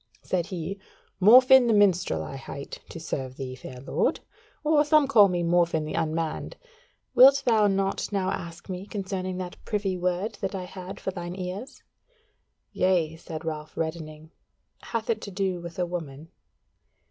Said he, "Morfinn the Minstrel I hight, to serve thee, fair lord. Or some call me Morfinn the Unmanned. Wilt thou not now ask me concerning that privy word that I had for thy ears?" "Yea," said Ralph reddening, "hath it to do with a woman?"